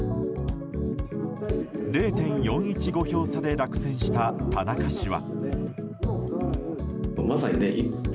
０．４１５票差で落選した田中氏は。